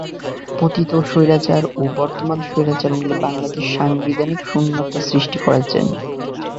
পতিত স্বৈরাচার এবং বর্তমান স্বৈরাচার মিলে বাংলাদেশে সাংবিধানিক শূন্যতা সৃষ্টি করছেন।